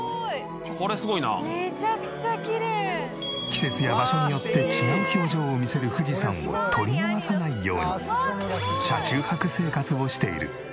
季節や場所によって違う表情を見せる富士山を撮り逃さないように車中泊生活をしている。